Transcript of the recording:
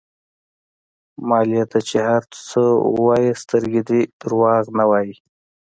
مالې ته چې هر څه ووايې سترګې دې دروغ نه وايي.